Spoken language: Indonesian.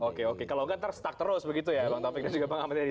oke oke kalau enggak tersetak terus begitu ya bang taufik dan juga bang ahmad yadid